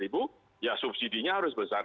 sekarang kalau rp dua ratus ya subsidi nya harus besar